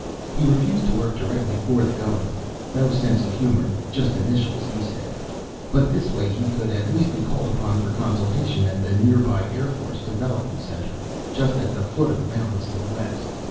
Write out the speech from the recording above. He refused to work directly for the government (no sense of humor, just initials, he said) but this way he could at least be called upon for consultation at the nearby Air Force Development Center, just at the foot of the mountains to the west.